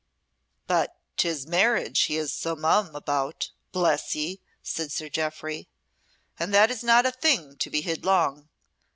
"But 'tis marriage he is so mum about, bless ye!" said Sir Jeoffry. "And that is not a thing to be hid long.